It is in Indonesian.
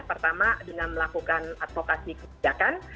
pertama dengan melakukan advokasi kebijakan